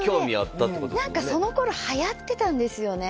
何かその頃はやってたんですよね